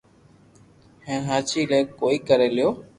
ھين ھاچي لي ڪوئي ڪري ليو